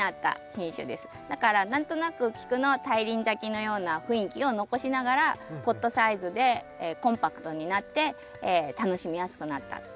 だから何となくキクの大輪咲きのような雰囲気を残しながらポットサイズでコンパクトになって楽しみやすくなったっていう品種です。